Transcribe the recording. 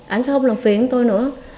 anh sẽ không làm phiền tôi nữa